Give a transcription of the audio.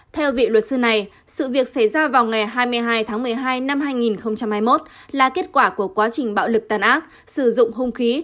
theo vị luật sư này sự việc xảy ra vào ngày hai mươi hai tháng một mươi hai năm hai nghìn hai mươi một là kết quả của quá trình bạo lực tàn ác sử dụng hung khí